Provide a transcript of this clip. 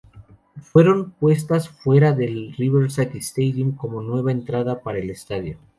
Fueron puestas fuera del Riverside Stadium como nueva entrada para el estadio.